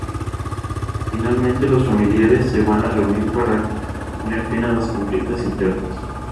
Finalmente los Families se van a reunir para poner fin a los conflictos internos.